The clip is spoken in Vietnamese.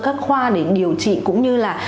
các khoa để điều trị cũng như là